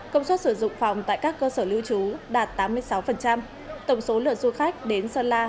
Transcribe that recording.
công suất sử dụng phòng tại các cơ sở lưu trú đạt tám mươi sáu tổng số lượng du khách đến sơn la